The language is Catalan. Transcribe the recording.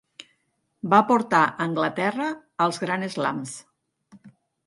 Va portar Anglaterra als Grand Slams.